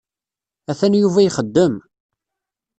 Atan Yuba ixeddem.